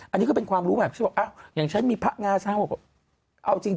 อันนี้ก็เป็นความรู้แบบอย่างฉันมีพระงาช้าง